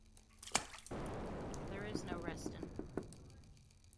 There is no resting.